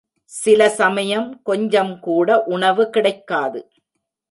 சிலசமயம் கொஞ்சம் கூட உணவு கிடைக்காது.